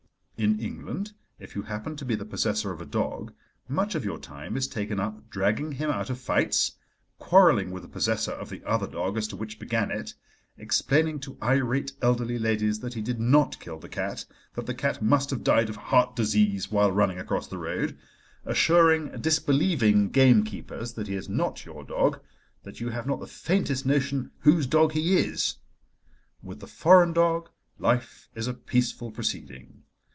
In England, if you happen to be the possessor of a dog, much of your time is taken up dragging him out of fights, quarrelling with the possessor of the other dog as to which began it, explaining to irate elderly ladies that he did not kill the cat, that the cat must have died of heart disease while running across the road, assuring disbelieving game keepers that he is not your dog, that you have not the faintest notion whose dog he is. With the foreign dog, life is a peaceful proceeding.